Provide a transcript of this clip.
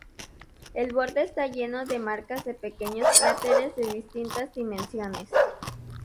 El borde está lleno de marcas de pequeños cráteres de distintas dimensiones.